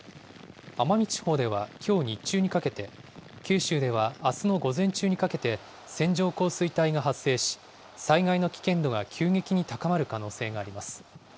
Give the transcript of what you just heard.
奄美地方ではきょう日中にかけて、九州ではあすの午前中にかけて、線状降水帯が発生し、災害の危険度が急激に高まる可能性があります。